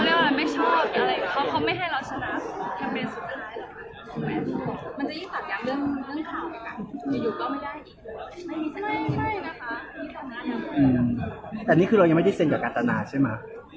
เอ้ยหนูได้ถามผู้ใหญ่ไหมคะว่าทำไมถึงไม่ได้ถ่ายเพื่อนอะ